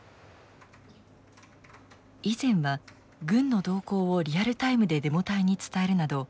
以前は軍の動向をリアルタイムでデモ隊に伝えるなど